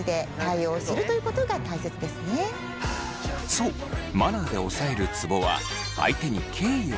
そうマナーで押さえるツボは相手に敬意を伝えること。